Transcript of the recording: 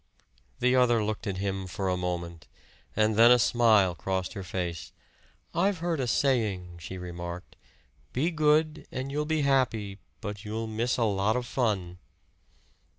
The other looked at him for a moment, and then a smile crossed her face. "I've heard a saying," she remarked "'Be good and you'll be happy, but you'll miss a lot of fun.'"